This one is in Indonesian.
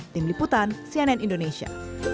tim liputan cnn indonesia